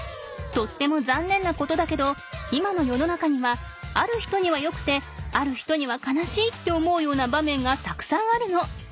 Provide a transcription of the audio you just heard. とってもざんねんなことだけど今の世の中にはある人にはよくてある人には悲しいって思うような場面がたくさんあるの。